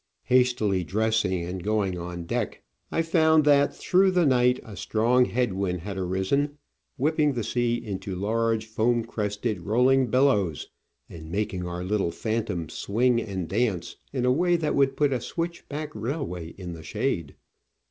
Hastily dressing and going on deck, I found that through the night a strong head wind had arisen, whipping the sea B* Digitized by VjOOQIC 6 Travels and Adventures into large foam crested rolling billows and making our little Phantom swing and dance in a way that would put a switchback railway in the shade.